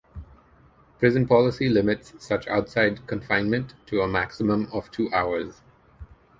Prison policy limits such outside confinement to a maximum of two hours.